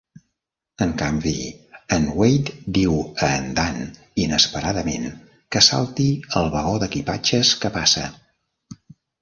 En canvi, en Wade diu a en Dan inesperadament que salti al vagó d'equipatges que passa.